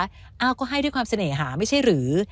อ้าวก็ให้ด้วยความเสน่หาไม่ใช่หรือ